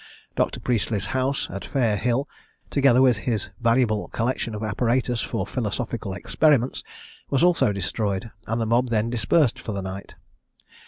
Dr. Priestley's house at Fair Hill, together with his valuable collection of apparatus for philosophical experiments, was also destroyed, and the mob then dispersed for the night.